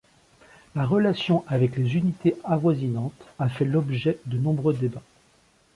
La relation avec les unités avoisinantes a fait l'objet de nombreux débats.